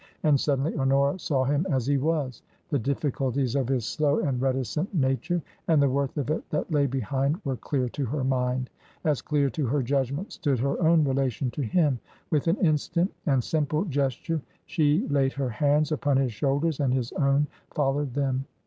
And suddenly Honora saw him as he was ; the difficulties of his slow and reticent nature and the worth of it that lay behind were clear to her mind; as clear to her judgment stood her own relation to him. With an instant and simple ges ture she laid her hands upon his shoulders and his own followed them.